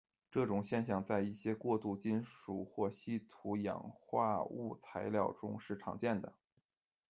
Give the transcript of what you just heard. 这种现象在一些过渡金属或稀土氧化物材料中是常见的。